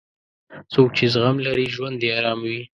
څوک چې زغم لري، ژوند یې ارام وي.